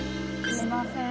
すいません